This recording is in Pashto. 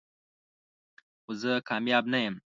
خو زه کامیاب نه یم .